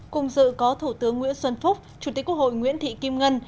cùng dự có thủ tướng nguyễn xuân phúc chủ tịch quốc hội nguyễn thị kim ngân